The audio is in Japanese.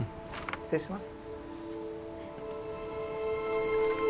失礼します。